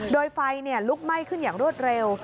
โดยไฟลุกไหม้ขึ้นอย่างรวดเร็ว